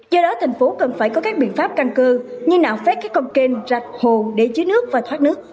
do đó thành phố cần phải có các biện pháp căn cơ như nạo vét các con kênh rạch hồ để chứa nước và thoát nước